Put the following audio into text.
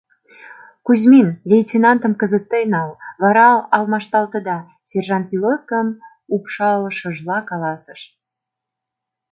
Кузьмин, лейтенантым кызыт тый нал, вара алмашталтыда, — сержант пилоткым упшалшыжла каласыш.